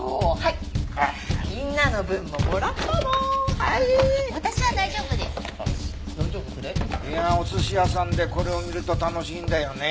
いやお寿司屋さんでこれを見ると楽しいんだよね。